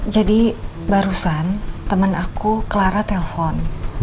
jadi barusan temen aku clara telpon